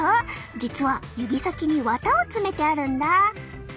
実は指先に綿を詰めてあるんだ。